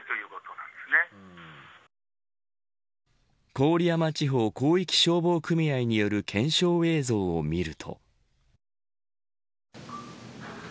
郡山地方広域消防組合による検証映像を見ると。